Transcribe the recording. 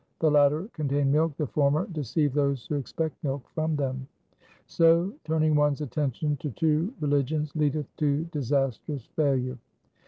The latter contain milk, the former deceive those who expect milk from them. So turning one's attention to two religions leadeth to disastrous failure.